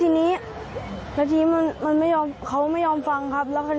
ไม่แต่เขาเดินมาเหมือนมีอะไรผักเขาเลยครับ